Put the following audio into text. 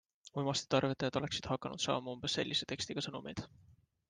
Uimastitarvitajad oleksid hakanud saama umbes sellise tekstiga sõnumeid.